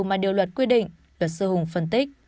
mà điều luật quy định luật sư hùng phân tích